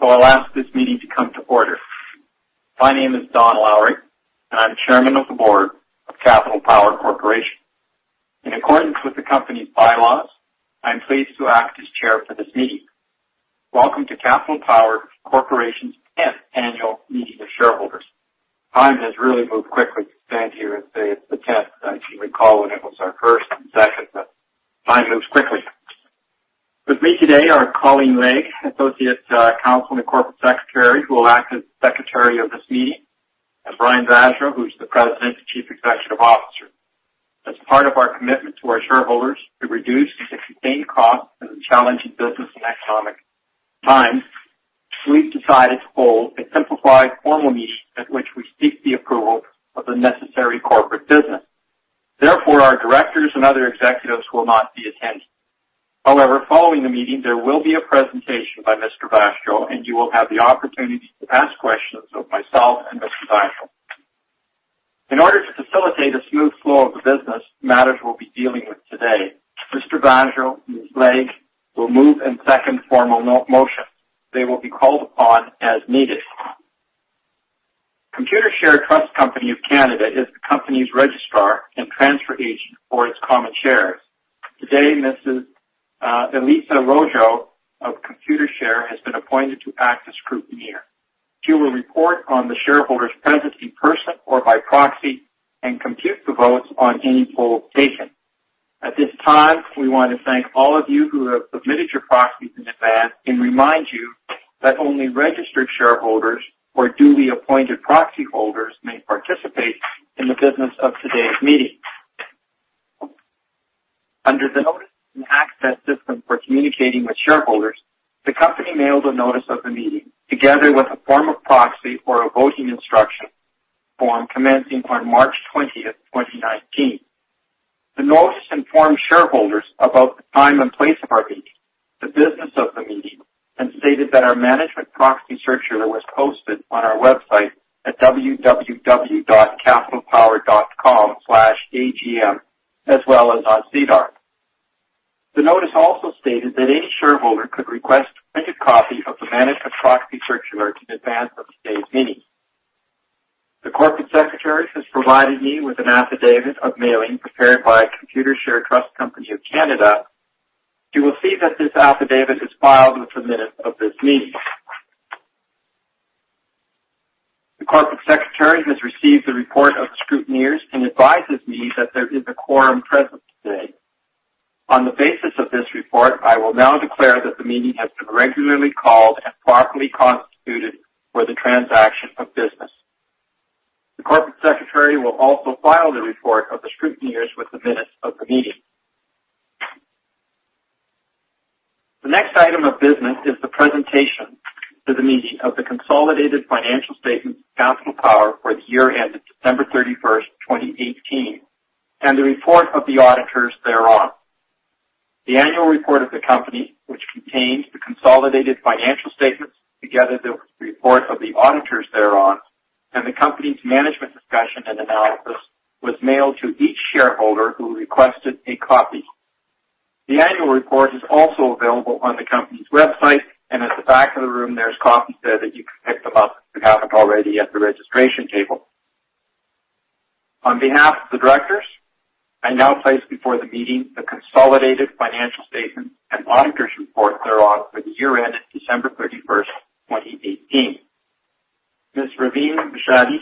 I'll ask this meeting to come to order. My name is Don Lowry, and I'm Chairman of the Board of Capital Power Corporation. In accordance with the company's bylaws, I'm pleased to act as Chair for this meeting. Welcome to Capital Power Corporation's 10th annual meeting of shareholders. Time has really moved quickly to stand here and say it's the 10th. I can recall when it was our first and second, but time moves quickly. With me today are Colleen Legge, Associate General Counsel and Corporate Secretary, who will act as Secretary of this meeting, and Brian Vaasjo, who's the President and Chief Executive Officer. As part of our commitment to our shareholders to reduce and contain costs in the challenging business and economic times, we've decided to hold a simplified formal meeting at which we seek the approval of the necessary corporate business. Our directors and other executives will not be attending. However, following the meeting, there will be a presentation by Mr. Vaasjo, and you will have the opportunity to ask questions of myself and Mr. Vaasjo. In order to facilitate a smooth flow of the business matters we'll be dealing with today, Mr. Vaasjo and Ms. Legge will move and second formal motions. They will be called upon as needed. Computershare Trust Company of Canada is the company's registrar and transfer agent for its common shares. Today, Mrs. Elisa Rojo of Computershare has been appointed to act as scrutineer. She will report on the shareholders present in person or by proxy and compute the votes on any poll taken. At this time, we want to thank all of you who have submitted your proxies in advance and remind you that only registered shareholders or duly appointed proxy holders may participate in the business of today's meeting. Under the notice and access system for communicating with shareholders, the company mailed a notice of the meeting together with a form of proxy or a voting instruction form commencing on March 20th, 2019. The notice informed shareholders about the time and place of our meeting, the business of the meeting, and stated that our management proxy circular was posted on our website at www.capitalpower.com/agm, as well as on SEDAR. The notice also stated that any shareholder could request a printed copy of the management proxy circular in advance of today's meeting. The Corporate Secretary has provided me with an affidavit of mailing prepared by Computershare Trust Company of Canada. You will see that this affidavit is filed with the minutes of this meeting. The Corporate Secretary has received the report of the scrutineers and advises me that there is a quorum present today. On the basis of this report, I will now declare that the meeting has been regularly called and properly constituted for the transaction of business. The Corporate Secretary will also file the report of the scrutineers with the minutes of the meeting. The next item of business is the presentation to the meeting of the consolidated financial statements of Capital Power for the year ended December 31st, 2018, and the report of the auditors thereon. The annual report of the company, which contains the consolidated financial statements, together with the report of the auditors thereon, and the company's management discussion and analysis, was mailed to each shareholder who requested a copy. The annual report is also available on the company's website, at the back of the room, there's copies there that you can pick them up if you haven't already at the registration table. On behalf of the directors, I now place before the meeting the consolidated financial statements and auditor's report thereon for the year ended December 31st, 2018. Ms. Ravin Roshdi,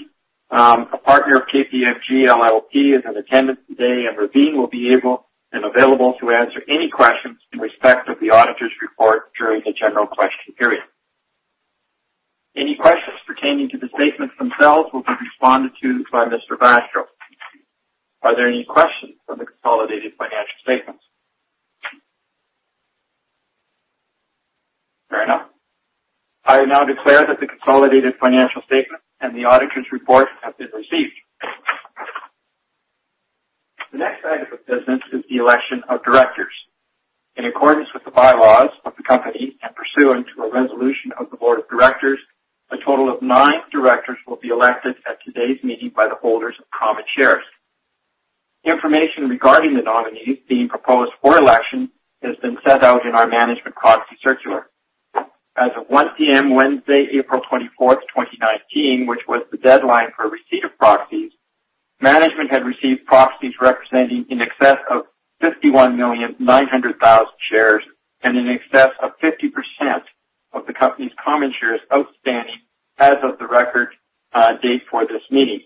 a partner of KPMG LLP, is in attendance today, Ravin will be able and available to answer any questions in respect of the auditor's report during the general question period. Any questions pertaining to the statements themselves will be responded to by Mr. Vaasjo. Are there any questions on the consolidated financial statements? Fair enough. I now declare that the consolidated financial statements and the auditor's report have been received. The next item of business is the election of directors. In accordance with the bylaws of the company and pursuant to a resolution of the board of directors, a total of nine directors will be elected at today's meeting by the holders of common shares. Information regarding the nominees being proposed for election has been set out in our management proxy circular. As of 1:00 P.M. Wednesday, April 24th, 2019, which was the deadline for receipt of proxies, management had received proxies representing in excess of 51,900,000 shares and in excess of 50% of the company's common shares outstanding as of the record date for this meeting,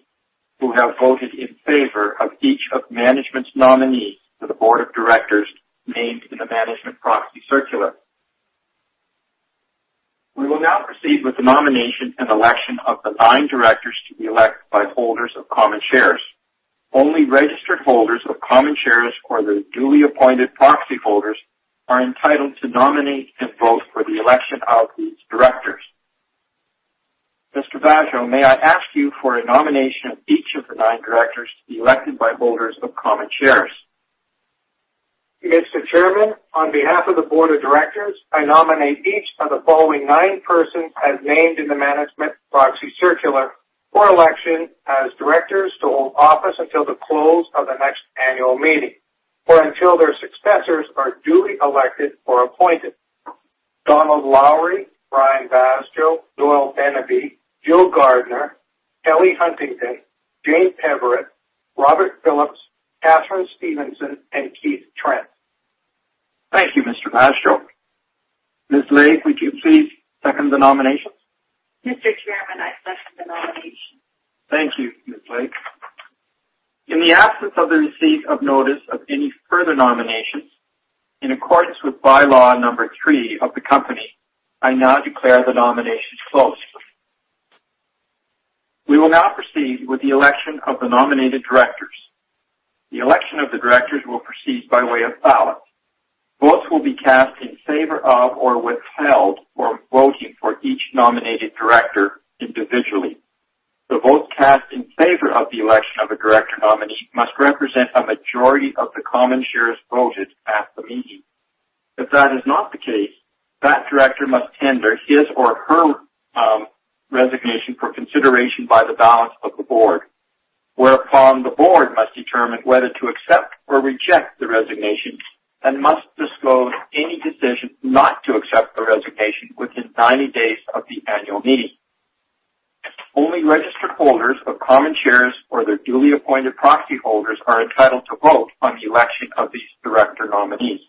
who have voted in favor of each of management's nominees for the board of directors named in the management proxy circular. We will now proceed with the nomination and election of the nine directors to be elected by holders of common shares. Only registered holders of common shares or their duly appointed proxy holders are entitled to nominate and vote for the election of these directors. Mr. Vaasjo, may I ask you for a nomination of each of the nine directors to be elected by holders of common shares? Mr. Chairman, on behalf of the board of directors, I nominate each of the following nine persons as named in the management proxy circular for election as directors to hold office until the close of the next annual meeting or until their successors are duly elected or appointed. Donald Lowry, Brian Vaasjo, Doyle Beneby, Jill Gardiner, Kelly Huntington, Jane Peverett, Robert Phillips, Katharine Stevenson, and Keith Trent. Thank you, Mr. Vaasjo. Ms. Legge, would you please second the nominations? Mr. Chairman, I second the nominations. Thank you, Ms. Legge. In the absence of the receipt of notice of any further nominations, in accordance with bylaw number three of the company, I now declare the nominations closed. We will now proceed with the election of the nominated directors. The election of the directors will proceed by way of ballot. Votes will be cast in favor of or withheld or voting for each nominated director individually. The vote cast in favor of the election of a director nominee must represent a majority of the common shares voted at the meeting. If that is not the case, that director must tender his or her resignation for consideration by the ballot of the board. Whereupon the board must determine whether to accept or reject the resignations and must disclose any decision not to accept the resignation within 90 days of the annual meeting. Only registered holders of common shares or their duly appointed proxy holders are entitled to vote on the election of these director nominees.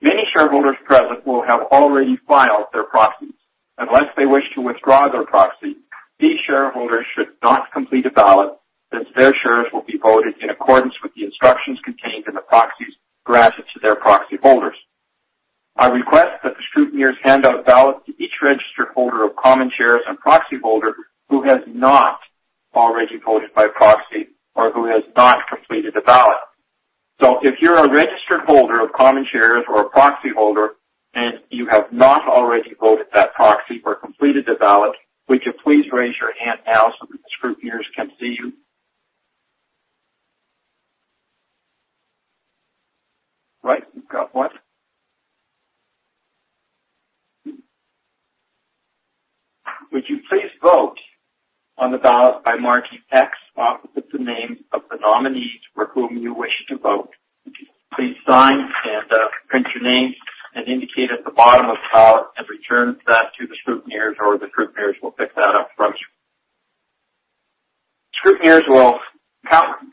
Many shareholders present will have already filed their proxies. Unless they wish to withdraw their proxy, these shareholders should not complete a ballot, since their shares will be voted in accordance with the instructions contained in the proxies granted to their proxy holders. I request that the scrutineers hand out ballots to each registered holder of common shares and proxy holder who has not already voted by proxy or who has not completed a ballot. If you're a registered holder of common shares or a proxy holder, and you have not already voted that proxy or completed the ballot, would you please raise your hand now so that the scrutineers can see you. Right. We've got one. Would you please vote on the ballot by marking X opposite the names of the nominees for whom you wish to vote. Please sign and print your name and indicate at the bottom of the ballot and return that to the scrutineers or the scrutineers will pick that up from you. Scrutineers will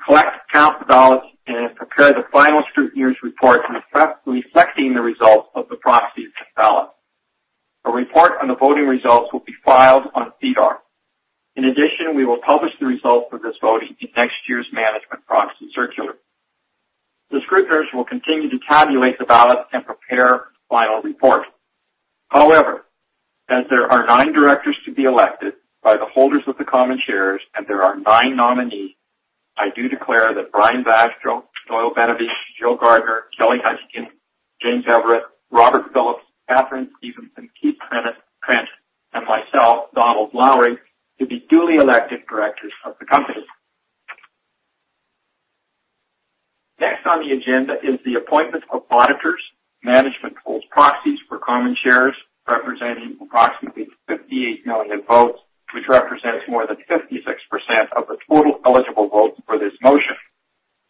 collect, count the ballots, and prepare the final scrutineers report reflecting the results of the proxies and ballot. A report on the voting results will be filed on SEDAR. In addition, we will publish the results of this voting in next year's management proxy circular. The scrutineers will continue to tabulate the ballot and prepare final report. As there are nine directors to be elected by the holders of the common shares, and there are nine nominees, I do declare that Brian Vaasjo, Doyle Beneby, Jill Gardiner, Kelly Huntington, Jane Peverett, Robert Phillips, Katharine Stevenson, Keith Trent, and myself, Donald Lowry, to be duly elected directors of the company. Next on the agenda is the appointment of auditors, management holds proxies for common shares, representing approximately 58 million votes, which represents more than 56% of the total eligible votes for this motion.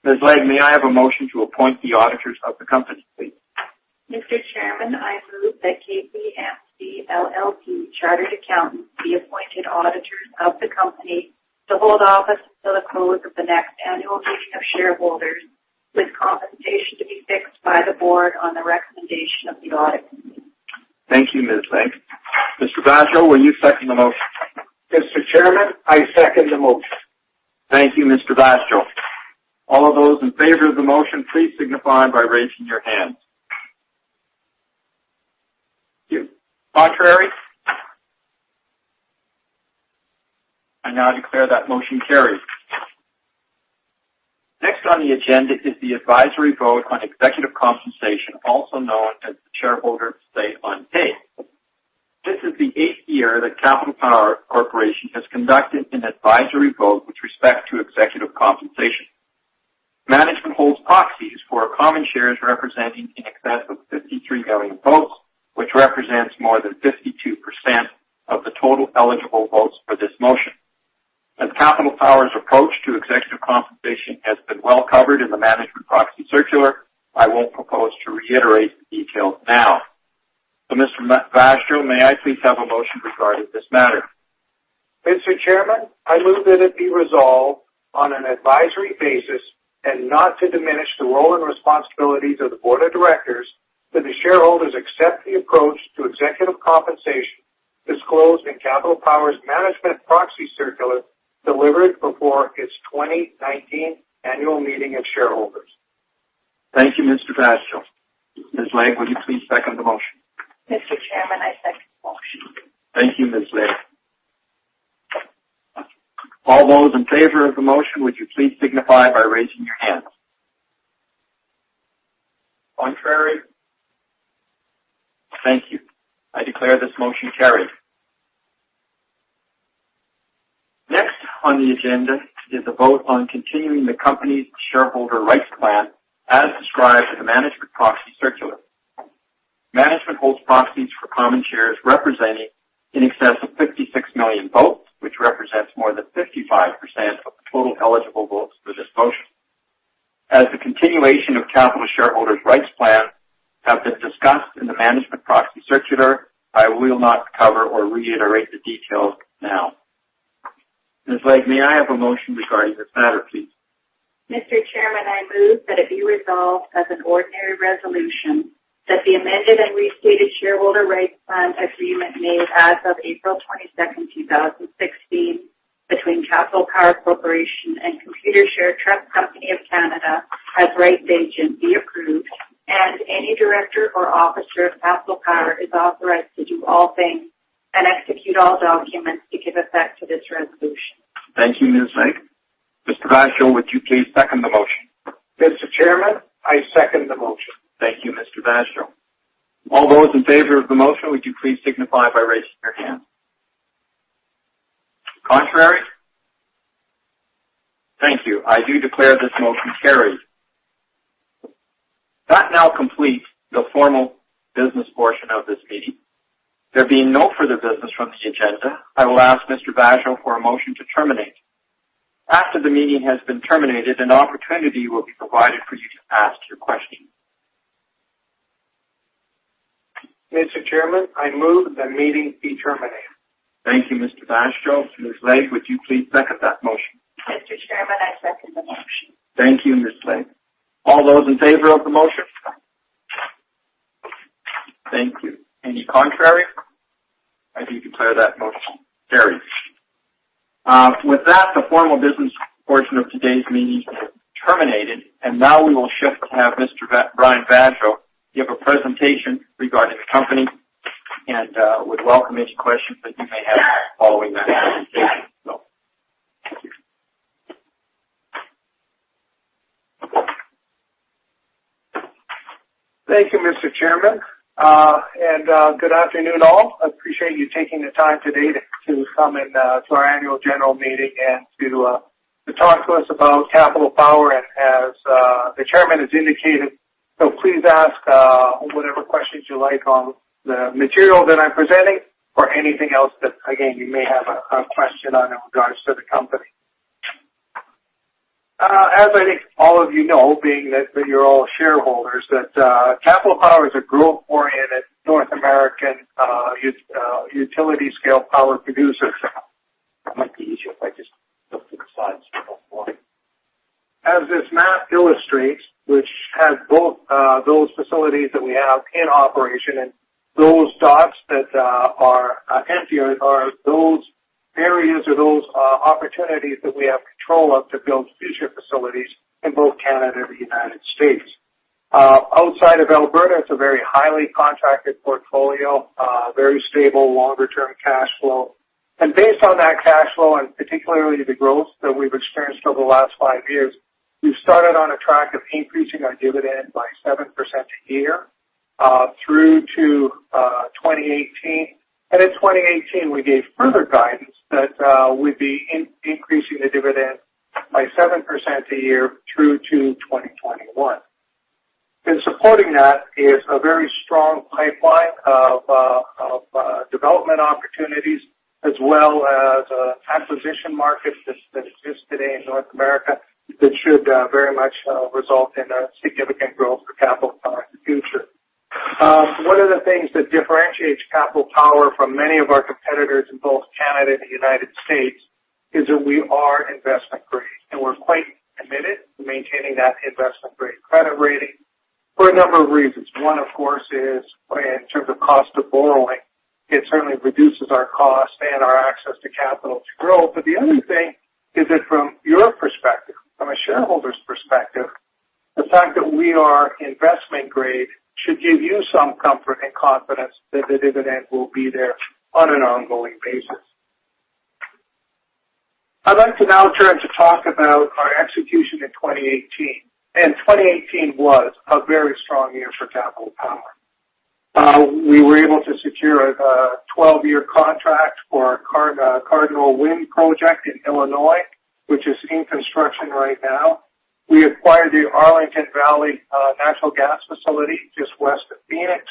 Ms. Legge, may I have a motion to appoint the auditors of the company, please? Mr. Chairman, I move that KPMG LLP Chartered Accountants be appointed auditors of the company to hold office until the close of the next annual meeting of shareholders, with compensation to be fixed by the board on the recommendation of the audit committee. Thank you, Ms. Legge. Mr. Vaasjo, will you second the motion? Mr. Chairman, I second the motion. Thank you, Mr. Vaasjo. All those in favor of the motion, please signify by raising your hands. Thank you. Contrary? I now declare that motion carries. Next on the agenda is the advisory vote on executive compensation, also known as the Shareholder Say on Pay. This is the eighth year that Capital Power Corporation has conducted an advisory vote with respect to executive compensation. Management holds proxies for common shares representing in excess of 53 million votes, which represents more than 52% of the total eligible votes for this motion. As Capital Power's approach to executive compensation has been well covered in the management proxy circular, I won't propose to reiterate the details now. Mr. Vaasjo, may I please have a motion regarding this matter? Mr. Chairman, I move that it be resolved on an advisory basis and not to diminish the role and responsibilities of the board of directors, that the shareholders accept the approach to executive compensation disclosed in Capital Power's management proxy circular delivered before its 2019 annual meeting of shareholders. Thank you, Mr. Vaasjo. Ms. Legge, would you please second the motion? Mr. Chairman, I second the motion. Thank you, Ms. Legge. All those in favor of the motion, would you please signify by raising your hands. Contrary? Thank you. I declare this motion carried. Next on the agenda is a vote on continuing the company's shareholder rights plan as described in the management proxy circular. Hold proxies for common shares representing in excess of 56 million votes, which represents more than 55% of the total eligible votes for this motion. As a continuation of Capital Power's shareholder rights plan have been discussed in the management proxy circular, I will not cover or reiterate the details now. Colleen Legge, may I have a motion regarding this matter, please? Mr. Chairman, I move that it be resolved as an ordinary resolution that the amended and restated shareholder rights plan agreement made as of April 22nd, 2016, between Capital Power Corporation and Computershare Trust Company of Canada as rights agent be approved, and any director or officer of Capital Power is authorized to do all things and execute all documents to give effect to this resolution. Thank you, Colleen Legge. Mr. Vaasjo, would you please second the motion? Mr. Chairman, I second the motion. Thank you, Mr. Vaasjo. All those in favor of the motion, would you please signify by raising your hand. Contrary. Thank you. I do declare this motion carries. That now completes the formal business portion of this meeting. There being no further business from the agenda, I will ask Mr. Vaasjo for a motion to terminate. After the meeting has been terminated, an opportunity will be provided for you to ask your question. Mr. Chairman, I move the meeting be terminated. Thank you, Mr. Vaasjo. Colleen Legge, would you please second that motion? Mr. Chairman, I second the motion. Thank you, Colleen Legge. All those in favor of the motion? Thank you. Any contrary? I do declare that motion carries. With that, the formal business portion of today's meeting is terminated. Now we will shift to have Mr. Brian Vaasjo give a presentation regarding the company, and would welcome any questions that you may have following that presentation. Thank you. Thank you, Mr. Chairman. Good afternoon, all. I appreciate you taking the time today to come in to our annual general meeting and to talk to us about Capital Power, as the chairman has indicated. Please ask whatever questions you like on the material that I'm presenting or anything else that, again, you may have a question on in regards to the company. As I think all of you know, being that you're all shareholders, that Capital Power is a growth-oriented North American utility-scale power producer. It might be easier if I just go through the slides before. As this map illustrates, which has both those facilities that we have in operation and those dots that are emptier are those areas or those opportunities that we have control of to build future facilities in both Canada and the United States. Outside of Alberta, it's a very highly contracted portfolio, very stable, longer-term cash flow. Based on that cash flow, and particularly the growth that we've experienced over the last five years, we've started on a track of increasing our dividend by 7% a year through to 2018. In 2018, we gave further guidance that we'd be increasing the dividend by 7% a year through to 2021. Supporting that is a very strong pipeline of development opportunities, as well as acquisition markets that exist today in North America that should very much result in a significant growth for Capital Power in the future. One of the things that differentiates Capital Power from many of our competitors in both Canada and the United States is that we are investment-grade, and we're quite committed to maintaining that investment-grade credit rating for a number of reasons. One, of course, is in terms of cost of borrowing. It certainly reduces our cost and our access to capital to grow. The other thing is that from your perspective, from a shareholder's perspective, the fact that we are investment-grade should give you some comfort and confidence that the dividend will be there on an ongoing basis. I'd like to now turn to talk about our execution in 2018. 2018 was a very strong year for Capital Power. We were able to secure a 12-year contract for our Cardinal Point Wind Project in Illinois, which is in construction right now. We acquired the Arlington Valley Natural Gas facility just west of Phoenix.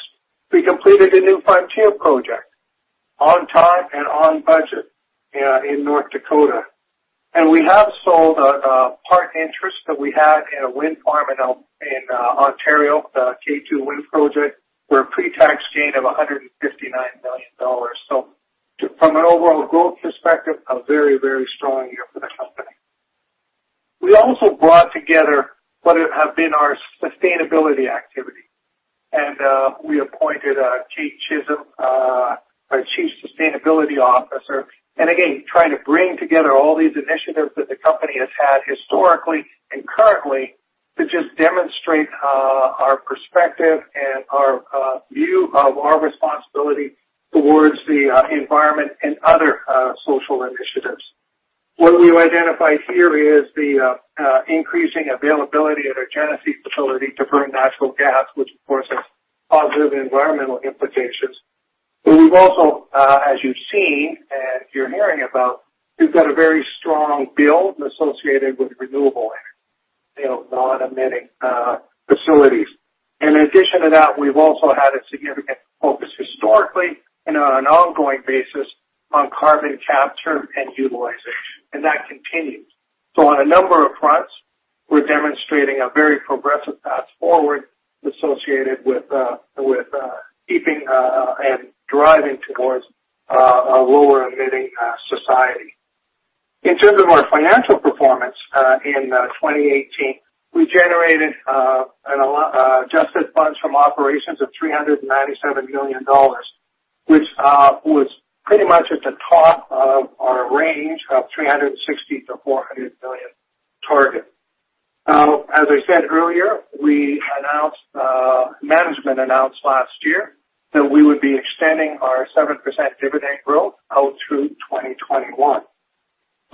We completed a New Frontier Wind project on time and on budget in North Dakota. We have sold a part interest that we had in a wind farm in Ontario, the K2 Wind project, for a pretax gain of 159 million dollars. From an overall growth perspective, a very, very strong year for the company. We also brought together what have been our sustainability activity. We appointed Kate Chisholm our Chief Sustainability Officer. Again, trying to bring together all these initiatives that the company has had historically and currently to just demonstrate our perspective and our view of our responsibility towards the environment and other social initiatives. What we identified here is the increasing availability at our Genesee facility to burn natural gas, which, of course, has positive environmental implications. We've also, as you've seen, and you're hearing about, we've got a very strong build associated with renewable energy, non-emitting facilities. In addition to that, we've also had a significant focus historically, and on an ongoing basis, on carbon capture and utilization, and that continues. On a number of fronts, we're demonstrating a very progressive path forward associated with keeping and driving towards a lower-emitting society. In terms of our financial performance in 2018, we generated adjusted funds from operations of 397 million dollars, which was pretty much at the top of our range of 360 million to 400 million target. As I said earlier, management announced last year that we would be extending our 7% dividend growth out through 2021.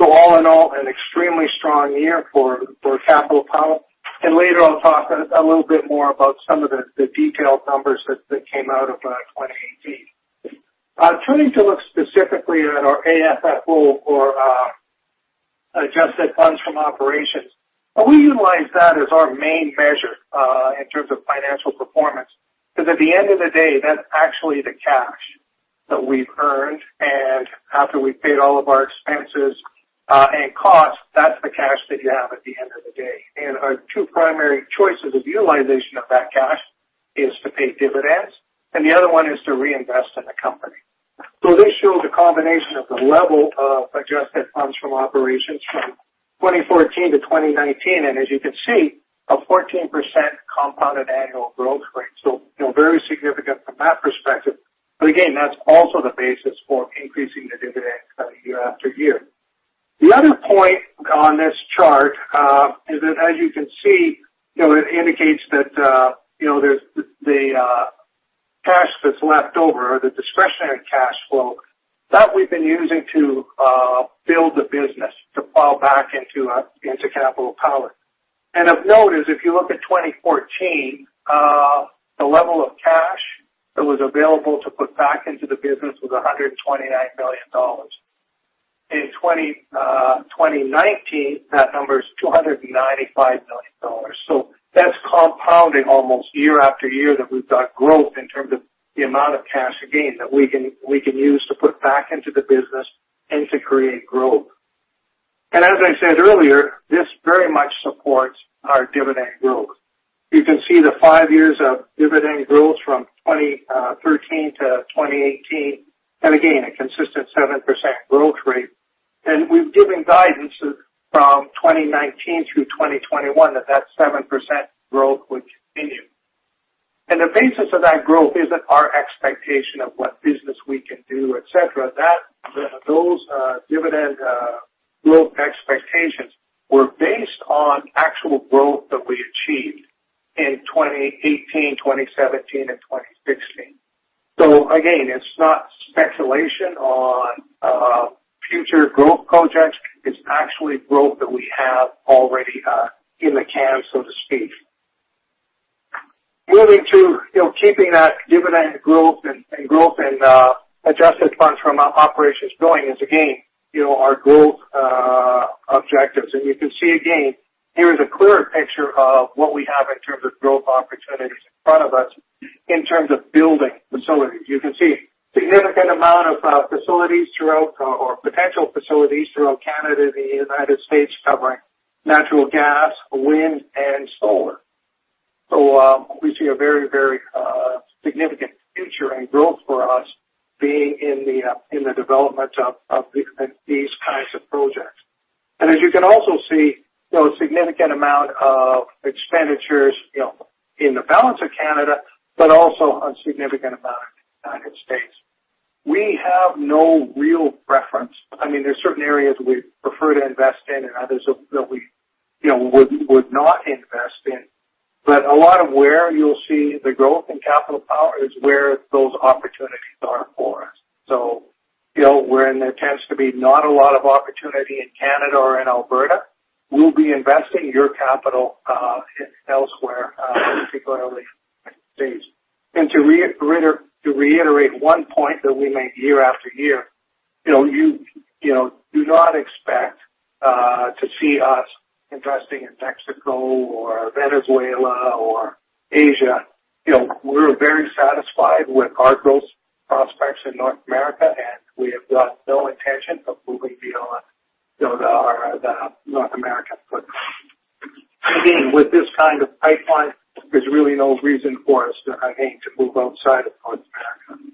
All in all, an extremely strong year for Capital Power. Later, I'll talk a little bit more about some of the detailed numbers that came out of 2018. Turning to look specifically at our AFFO or adjusted funds from operations. We utilize that as our main measure in terms of financial performance, because at the end of the day, that's actually the cash that we've earned. After we've paid all of our expenses and costs, that's the cash that you have at the end of the day. Our two primary choices of utilization of that cash is to pay dividends, and the other one is to reinvest in the company. This shows a combination of the level of adjusted funds from operations from 2014 to 2019. As you can see, a 14% compounded annual growth rate. Very significant from that perspective. Again, that's also the basis for increasing the dividends year after year. The other point on this chart is that, as you can see, it indicates that there's the cash that's left over or the discretionary cash flow that we've been using to build the business to fall back into Capital Power. Of note is, if you look at 2014, the level of cash that was available to put back into the business was 129 million dollars. In 2019, that number is 295 million dollars. That's compounding almost year after year that we've got growth in terms of the amount of cash again, that we can use to put back into the business and to create growth. As I said earlier, this very much supports our dividend growth. You can see the five years of dividend growth from 2013-2018. Again, a consistent 7% growth rate. We've given guidance from 2019-2021 that that 7% growth would continue. The basis of that growth isn't our expectation of what business we can do, et cetera. Those dividend growth expectations were based on actual growth that we achieved in 2018, 2017, and 2016. Again, it's not speculation on future growth projects. It's actually growth that we have already in the can, so to speak. Moving to keeping that dividend growth and growth in adjusted funds from operations going is again our growth objectives. You can see again, here is a clearer picture of what we have in terms of growth opportunities in front of us in terms of building facilities. You can see significant amount of facilities throughout or potential facilities throughout Canada and the U.S. covering natural gas, wind, and solar. We see a very, very significant future and growth for us being in the development of these kinds of projects. As you can also see, a significant amount of expenditures in the balance of Canada, but also a significant amount in the U.S. We have no real preference. There are certain areas we prefer to invest in and others that we would not invest in. A lot of where you'll see the growth in Capital Power is where those opportunities are for us. When there tends to be not a lot of opportunity in Canada or in Alberta, we'll be investing your capital elsewhere, particularly the U.S. To reiterate one point that we make year after year, do not expect to see us investing in Mexico or Venezuela or Asia. We're very satisfied with our growth prospects in North America, we have got no intention of moving beyond the North American footprint. With this kind of pipeline, there's really no reason for us, again, to move outside of North America.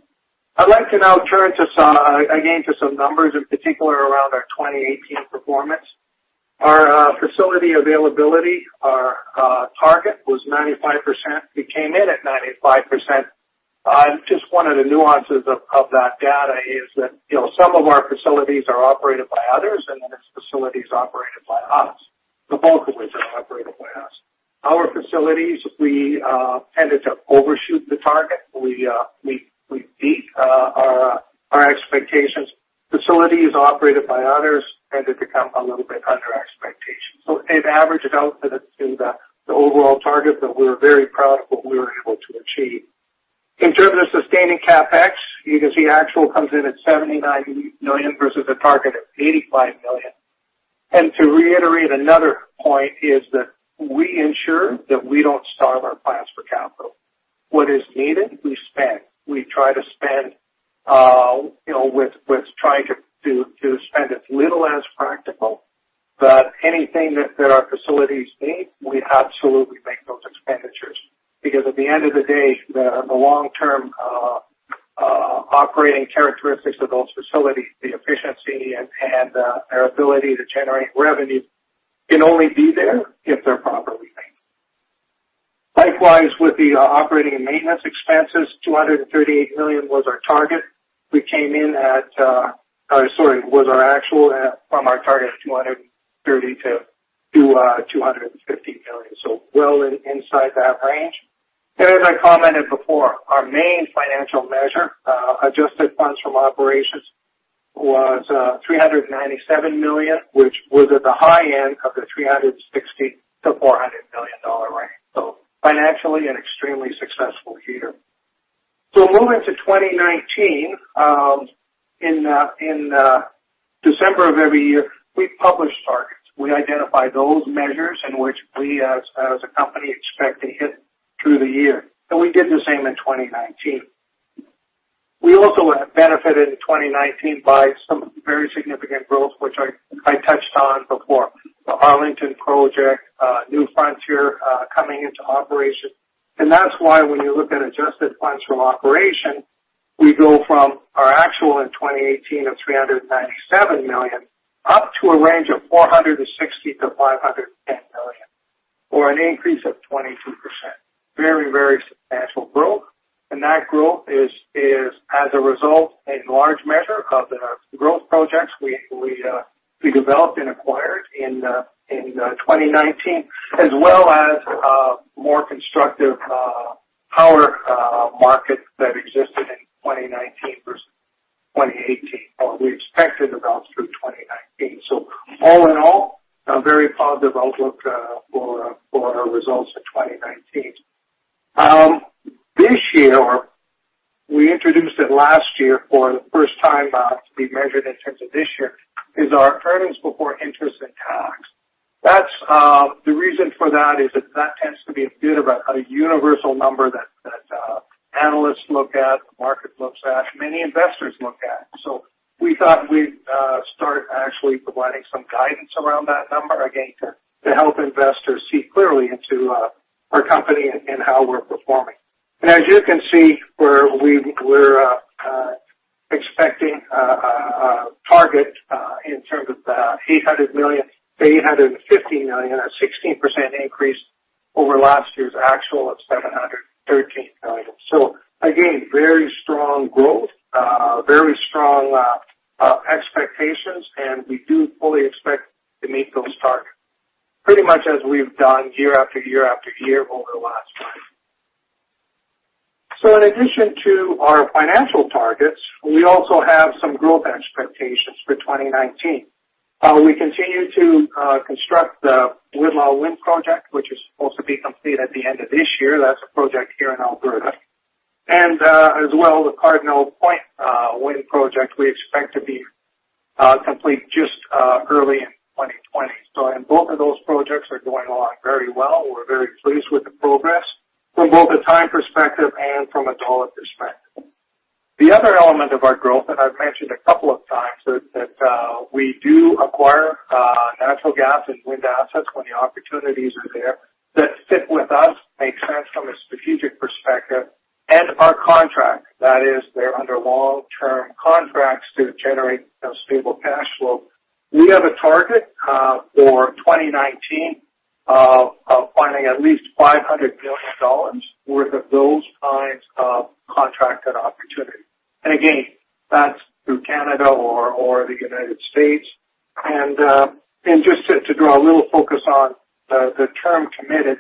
I'd like to now turn again to some numbers, in particular around our 2018 performance. Our facility availability, our target was 95%. We came in at 95%. Just one of the nuances of that data is that some of our facilities are operated by others, and then there's facilities operated by us. The bulk of it is operated by us. Our facilities, we tended to overshoot the target. We beat our expectations. Facilities operated by others tended to come a little bit under expectation. It averaged out in the overall target, but we're very proud of what we were able to achieve. In terms of sustaining CapEx, you can see actual comes in at 79 million versus a target of 85 million. To reiterate another point is that we ensure that we don't starve our plants for capital. What is needed, we spend. We try to spend as little as practical. Anything that our facilities need, we absolutely make those expenditures. Because at the end of the day, the long-term operating characteristics of those facilities, the efficiency, and their ability to generate revenue can only be there if they're properly maintained. Likewise, with the operating and maintenance expenses, 238 million was our actual from our target of 230 million to 250 million. Well inside that range. As I commented before, our main financial measure, adjusted funds from operations, was 397 million, which was at the high end of the 360 million to 400 million dollar range. Financially, an extremely successful year. Moving to 2019. In December of every year, we publish targets. We identify those measures in which we, as a company, expect to hit through the year. We did the same in 2019. We also have benefited in 2019 by some very significant growth, which I touched on before. The Arlington project, New Frontier coming into operation. That's why when you look at adjusted funds from operations, we go from our actual in 2018 of 397 million, up to a range of 460 million to 510 million. Or an increase of 22%. Very substantial growth. That growth is as a result, in large measure, of the growth projects we developed and acquired in 2019. As well as more constructive power markets that existed in 2019 versus 2018, or we expected about through 2019. All in all, a very positive outlook for our results in 2019. This year, we introduced it last year for the first time to be measured in terms of this year, is our earnings before interest and tax. The reason for that is that tends to be a bit of a universal number that analysts look at, the market looks at, many investors look at. We thought we'd start actually providing some guidance around that number, again, to help investors see clearly into our company and how we're performing. As you can see, we're expecting a target in terms of the 800 million to 850 million, a 16% increase over last year's actual of 713 million. Again, very strong growth. Very strong expectations, we do fully expect to meet those targets, pretty much as we've done year after year over the last time. In addition to our financial targets, we also have some growth expectations for 2019. We continue to construct the Whitla Wind Project, which is supposed to be complete at the end of this year. That's a project here in Alberta. As well, the Cardinal Point Wind Project we expect to be complete just early in 2020. Both of those projects are going along very well. We're very pleased with the progress from both a time perspective and from a dollar perspective. The other element of our growth, I've mentioned a couple of times, is that we do acquire natural gas and wind assets when the opportunities are there that sit with us, make sense from a strategic perspective, and are contract. That is, they're under long-term contracts to generate stable cash flow. We have a target for 2019 of finding at least 500 million dollars worth of those kinds of contracted opportunities. Again, that's through Canada or the U.S. Just to draw a little focus on the term committed,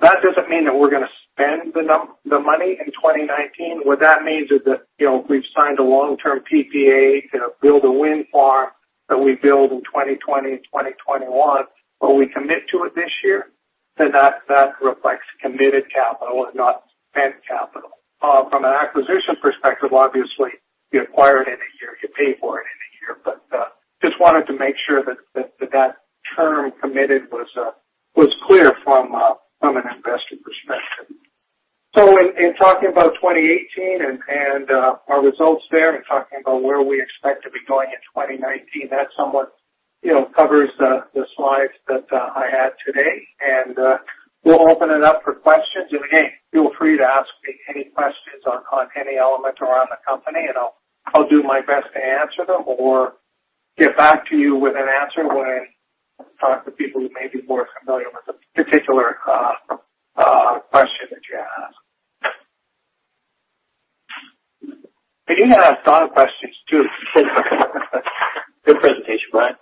that doesn't mean that we're going to spend the money in 2019. What that means is that we've signed a long-term PPA to build a wind farm that we build in 2020, 2021. We commit to it this year, so that reflects committed capital and not spent capital. From an acquisition perspective, obviously, you acquire it in a year, you pay for it in a year. Just wanted to make sure that that term committed was clear from an investor perspective. In talking about 2018 and our results there, talking about where we expect to be going in 2019, that somewhat covers the slides that I had today. We'll open it up for questions. Again, feel free to ask me any questions on any element around the company, I'll do my best to answer them or get back to you with an answer when I talk to people who may be more familiar with a particular question that you ask. You have done questions, too. Good presentation, Brian.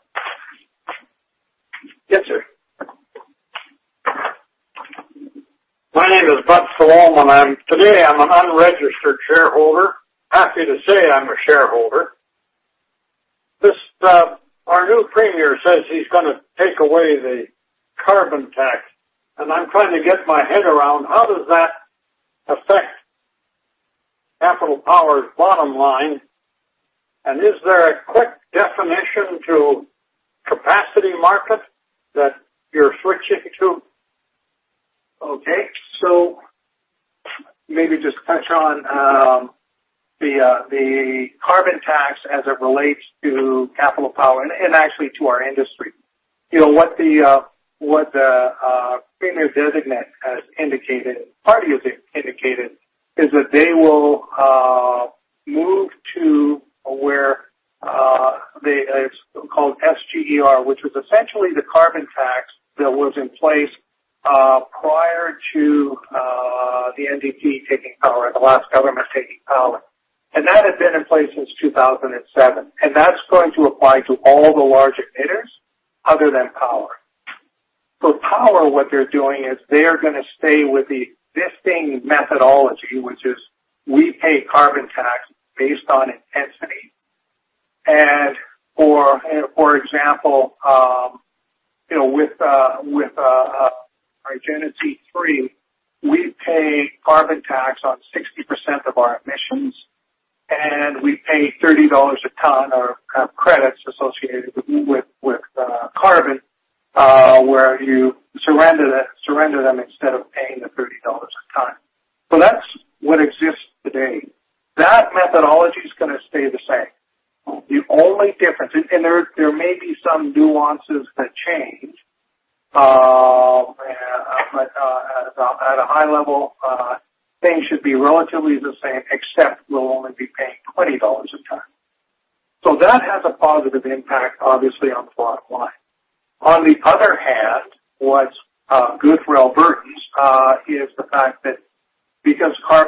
Solomon. Today, I'm an unregistered shareholder. Happy to say I'm a shareholder. Our new Premier says he's going to take away the carbon tax, I'm trying to get my head around how does that affect Capital Power's bottom line? Is there a quick definition to capacity market that you're switching to? Okay. Maybe just touch on the carbon tax as it relates to Capital Power and actually to our industry. The Premier Designate has indicated, party has indicated, that they will move to where it's called SGER, which was essentially the carbon tax that was in place prior to the NDP taking power, the last government taking power. That had been in place since 2007. That's going to apply to all the large emitters other than power. For power, what they're doing is they're going to stay with the existing methodology, which is we pay carbon tax based on intensity. For example, with our Genesee 3, we pay carbon tax on 60% of our emissions, and we pay 30 dollars a ton or credits associated with carbon, where you surrender them instead of paying the CAD 30 a ton. That's what exists today. That methodology is going to stay the same. The only difference, there may be some nuances that change. At a high level, things should be relatively the same except we'll only be paying 20 dollars a ton. That has a positive impact, obviously, on the bottom line. On the other hand, what's good for Albertans is the fact that because the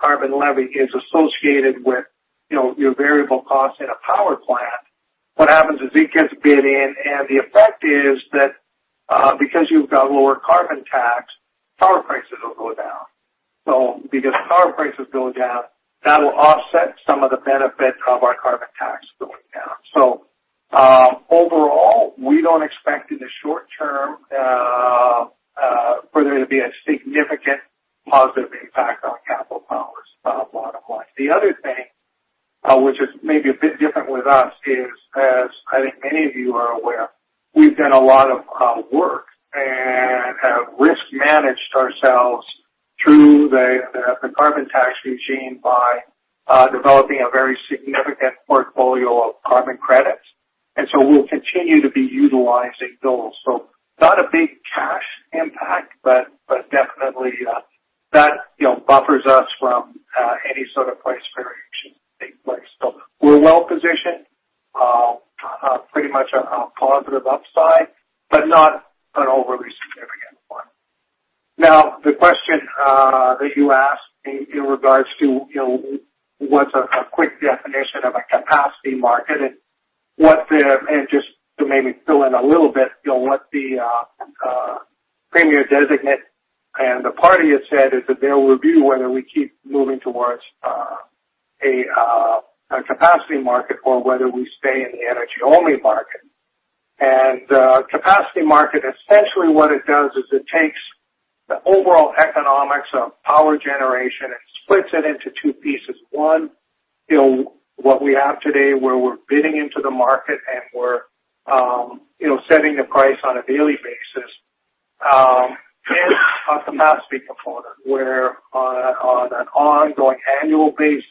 carbon levy is associated with your variable cost in a power plant, what happens is it gets bid in and the effect is that because you've got lower carbon tax, power prices will go down. Because power prices go down, that'll offset some of the benefit of our carbon tax going down. Overall, we don't expect in the short term for there to be a significant positive impact on Capital Power's bottom line. The other thing, which is maybe a bit different with us, is as I think many of you are aware, we've done a lot of work and have risk-managed ourselves through the carbon tax regime by developing a very significant portfolio of carbon credits. We'll continue to be utilizing those. Not a big cash impact, but definitely that buffers us from any sort of price variation taking place. We're well-positioned, pretty much a positive upside, but not an overly significant one. The question that you asked in regards to what's a quick definition of a capacity market and just to maybe fill in a little bit, what the Premier Designate and the party has said is that they'll review whether we keep moving towards a capacity market or whether we stay in the energy-only market. Capacity market, essentially what it does is it takes the overall economics of power generation and splits it into two pieces. One, what we have today, where we're bidding into the market and we're setting the price on a daily basis. A capacity component where on an ongoing annual basis,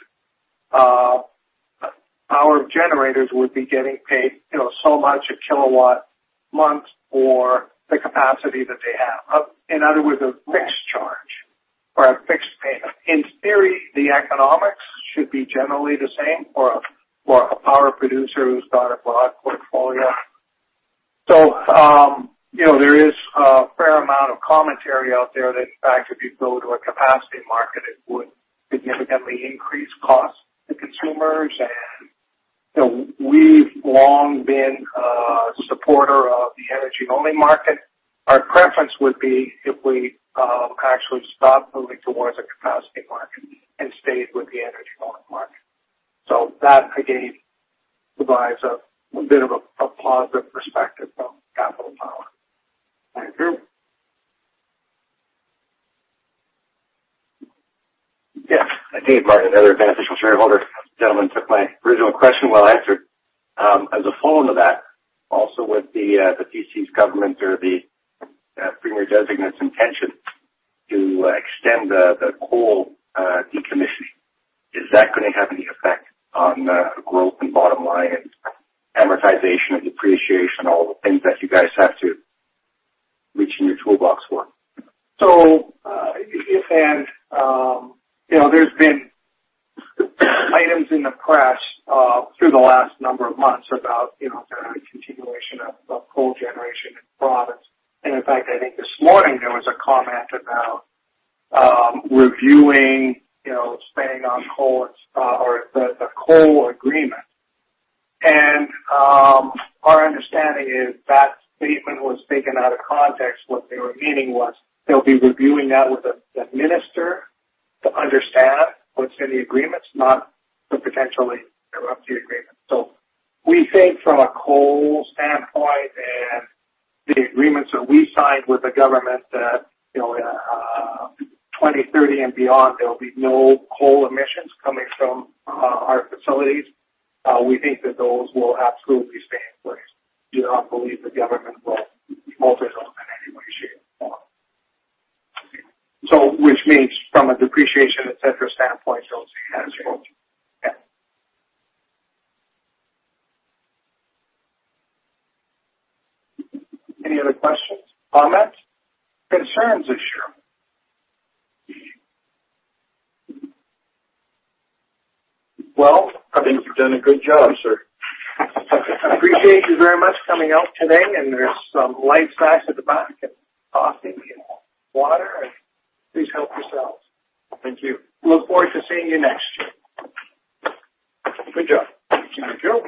power generators would be getting paid so much a kilowatt month for the capacity that they have. In other words, a fixed charge or a fixed payment. In theory, the economics should be generally the same for a power producer who's got a broad portfolio. There is a fair amount of commentary out there that, in fact, if you go to a capacity market, it would significantly increase costs to consumers. We've long been a supporter of the energy-only market. Our preference would be if we actually stopped moving towards a capacity market and stayed with the energy-only market. That, again, provides a bit of a positive perspective from Capital Power. Thank you. I think, Martin, another beneficial shareholder. Gentlemen took my original question, well answered. As a follow-on to that, also with the UCP government or the Premier Designate's intention to extend the coal decommissioning. Is that going to have any effect on the growth and bottom line and amortization and depreciation, all the things that you guys have to reach in your toolbox for? There's been items in the press through the last number of months about the continuation of coal generation in province. In fact, I think this morning there was a comment about reviewing spending on coal or the coal agreement. Our understanding is that statement was taken out of context. What they were meaning was they'll be reviewing that with the minister to understand what's in the agreements, not to potentially interrupt the agreement. We think from a coal standpoint and the agreements that we signed with the government that in 2030 and beyond, there'll be no coal emissions coming from our facilities. We think that those will absolutely stay in place. We do not believe the government will alter them in any way, shape, or form. Which means from a depreciation, et cetera, standpoint, they'll stay as is. Yeah. Any other questions, comments, concerns this year? Well. I think you've done a good job, sir. Appreciate you very much coming out today, There's some light snacks at the back and coffee and water. Please help yourselves. Thank you. Look forward to seeing you next year. Good job. Thank you.